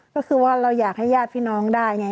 ก็คือว่าเราอยากให้ญาติพี่น้องได้ไง